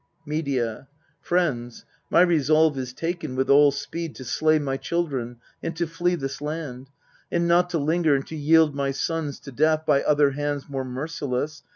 Medea. Friends, my resolve is taken, with all speed To slay my children, and to flee this land, And not to linger and to yield my sons To death by other hands more merciless.